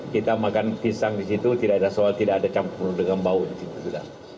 kita makan pisang di situ tidak ada soal tidak ada campur dengan bau di situ